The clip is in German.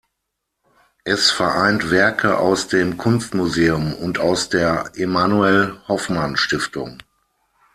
Es vereint Werke aus dem Kunstmuseum und aus der Emanuel Hoffmann-Stiftung.